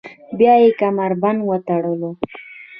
بیا یې کمربند وتړلو.